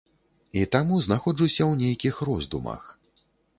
І таму знаходжуся ў нейкіх роздумах.